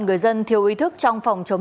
người dân thiếu ý thức trong phòng chống